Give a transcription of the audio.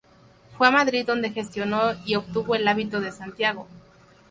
Fue a Madrid donde gestionó y obtuvo el hábito de Santiago.